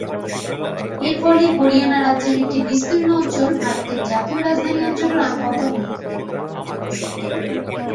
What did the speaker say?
এর ফলে হরিয়ানা রাজ্যের একটি বিস্তীর্ণ অঞ্চল ভারতের জাতীয় রাজধানী অঞ্চলের আওতাভুক্ত।